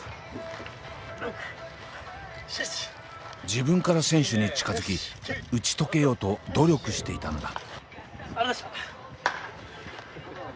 自分から選手に近づき打ち解けようと努力していたのだ。